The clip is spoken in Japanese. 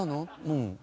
うん。